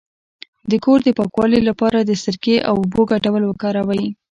د کور د پاکوالي لپاره د سرکې او اوبو ګډول وکاروئ